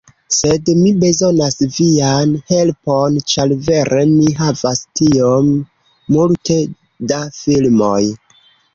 Sed, mi bezonas vian helpon, ĉar vere mi havas tiom multe da filmoj.